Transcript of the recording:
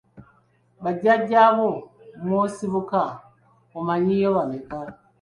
Bajjajja bo mw’osibuka omanyiiyo bameka?